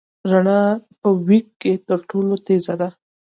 رڼا په وېګ کي تر ټولو تېزه ده.